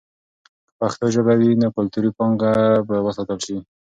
که پښتو ژبه وي، نو کلتوري پانګه به وساتل سي.